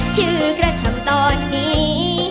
ชื่อกระช่ำตอนนี้